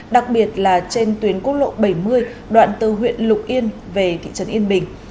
đặc biệt là trên tuyến quốc lộ bảy mươi đoạn từ huyện lục yên về thị trấn yên bình